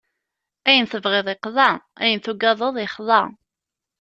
Ayen tebɣiḍ iqḍa, ayen tugadeḍ ixḍa!